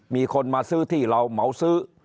มีคนมาซื้อที่เราเหมาซื้อ